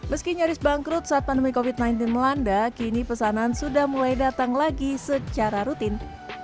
meski nyaris bangkrut saat pandemi covid sembilan belas melanda kini pesanan sudah mulai datang lagi secara rutin